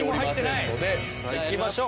さあいきましょう。